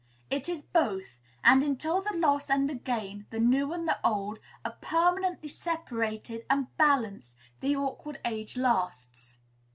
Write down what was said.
It is both; and until the loss and the gain, the new and the old, are permanently separated and balanced, the awkward age lasts.